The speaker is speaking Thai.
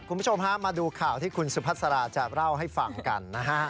คุณผู้ชมฮะมาดูข่าวที่คุณสุพัสราจะเล่าให้ฟังกันนะฮะ